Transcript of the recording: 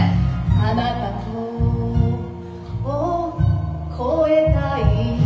「あなたと越えたい」